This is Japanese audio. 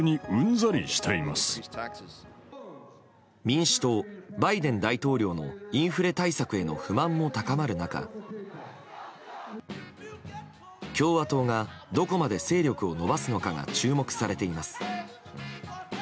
民主党、バイデン大統領のインフレ対策への不満も高まる中共和党がどこまで勢力を伸ばすのかが注目されています。